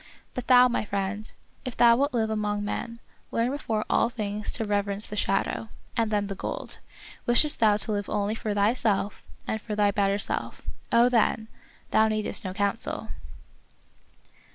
But thou, my friend, if thou wilt live among men, learn before all things to rev erence the shadow, and then the gold. Wishest thou to live only for thyself and for thy better self — oh, then! — thou needest no counsel.